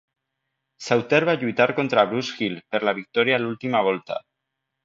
Sauter va lluitar contra Bruce Hill per la victòria a l"última volta.